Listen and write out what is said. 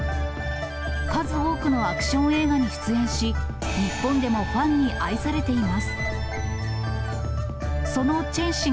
数多くのアクション映画に出演し、日本でもファンに愛されています。